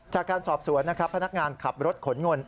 จากการสอบสวนนะครับพนักงานขับรถขนเงิน